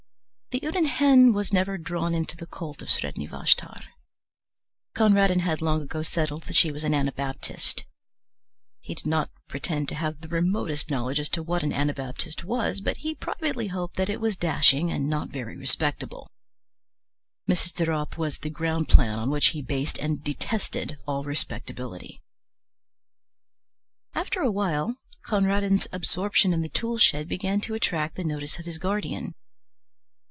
The Houdan hen was never drawn into the cult of Sredni Vashtar. Conradin had long ago settled that she was an Anabaptist. He did not pretend to have the remotest knowledge as to what an Anabaptist was, but he privately hoped that it was dashing and not very respectable. Mrs. de Ropp was the ground plan on which he based and detested all respectability. After a while Conradin's absorption in the tool shed began to attract the notice of his guardian.